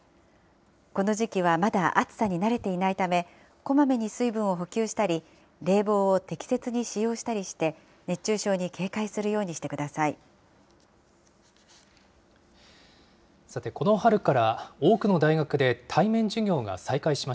この時期はまだ暑さに慣れていないため、こまめに水分を補給したり、冷房を適切に使用したりして、熱中症に警戒するようにしてください。